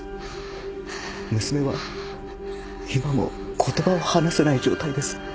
娘は今も言葉を話せない状態です。